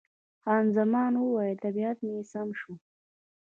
خان زمان وویل، طبیعت مې سم شو.